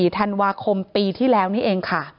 ธันวาคมปีที่แล้วนี่เองค่ะ